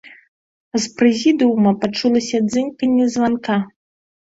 З прэзідыума пачулася дзынканне званка.